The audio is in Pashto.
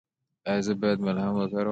ایا زه باید ملهم وکاروم؟